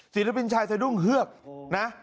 ศิลปินชายสะดุ้งเฮือกนะ